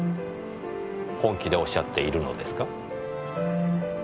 本気でおっしゃっているのですか？